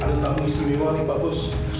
ada tamu istri bimbal yang bagus